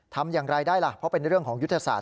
ทำอย่างไรได้ล่ะเพราะเป็นเรื่องของยุทธศาส